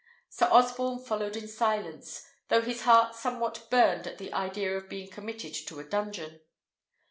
Sir Osborne followed in silence, though his heart somewhat burned at the idea of being committed to a dungeon.